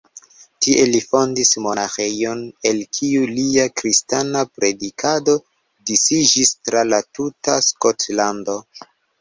Tie li fondis monaĥejon, el kiu lia kristana predikado disiĝis tra la tuta Skotlando.